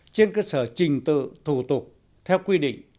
trên cơ sở trình tự thủ tục theo quy định